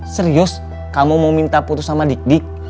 serius kamu mau minta putus sama dik dik